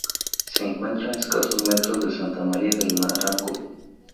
Se encuentra a escasos metros de Santa María del Naranco.